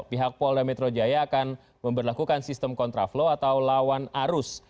pihak polda metro jaya akan memperlakukan sistem kontraflow atau lawan arus